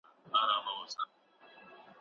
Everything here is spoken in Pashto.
د پښتو ناول د ودې کیسه پکې ده.